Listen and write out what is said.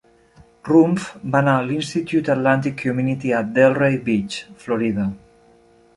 Rumph va anar a l'Institut Atlantic Community a Delray Beach, Florida.